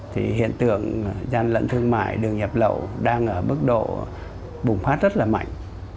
thì hiện tượng gian lận thương mại đường nhập lậu đang ở mức độ bùng phát rất là mạnh